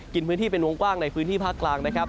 กินพื้นที่เป็นวงกว้างในพื้นที่ภาคกลางนะครับ